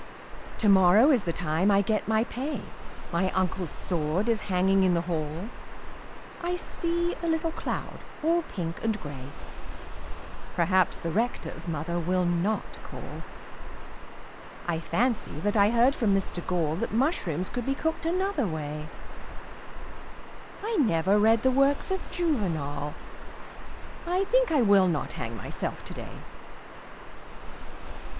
Tomorrow is the time I get my pay My uncle's sword is hanging in the hall I see a little cloud all pink and grey Perhaps the Rector's mother will not call I fancy that I heard from Mr Gall That mushrooms could be cooked another way I never read the works of Juvenal I think I will not hang myself today.